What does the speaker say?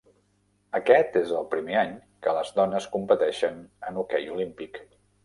Aquest és el primer any que les dones competeixen en hoquei olímpic.